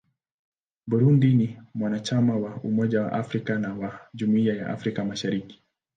Burundi ni mwanachama wa Umoja wa Afrika na wa Jumuiya ya Afrika Mashariki.